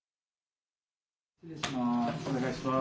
失礼します。